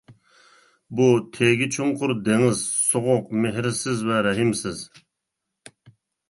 بۇ تېگى چوڭقۇر دېڭىز سوغۇق، مېھرىسىز ۋە رەھىمسىز.